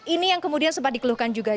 ini yang kemudian sempat dikeluhkan juga